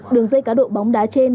đường dây cá độ bóng đá trên